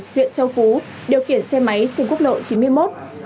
huyện châu phú điều khiển xe máy trên quốc lộ chín mươi một